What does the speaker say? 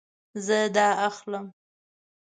زه دا اخلم